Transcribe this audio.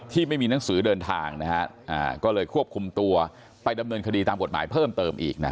แต่มันมองแล้วไม่ใช่พระศาสตร์